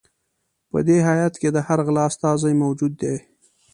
په دې هیات کې د هر غله استازی موجود دی.